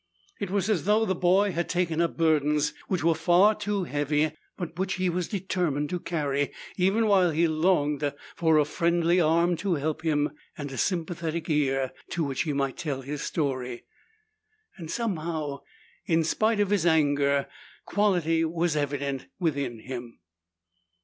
It was as though the boy had taken up burdens which were far too heavy, but which he was determined to carry, even while he longed for a friendly arm to help him and a sympathetic ear to which he might tell his story. And somehow, in spite of his anger, quality was evident within him.